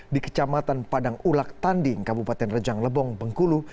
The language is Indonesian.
di kecamatan padang ulak tanding kabupaten rejang lebong bengkulu